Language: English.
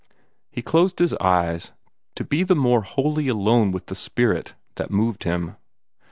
He closed his eyes, to be the more wholly alone with the Spirit, that moved him.